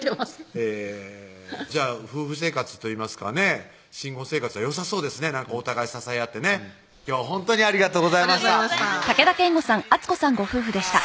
へぇじゃあ夫婦生活といいますかね新婚生活はよさそうですねお互い支え合ってね今日はほんとにありがとうございましたお幸せにありがとうございました